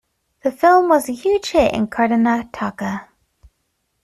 The film was a huge hit in Karnataka.